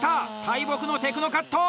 大木のテクノカット！